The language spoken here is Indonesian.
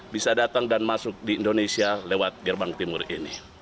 bisa datang dan masuk di indonesia lewat gerbang timur ini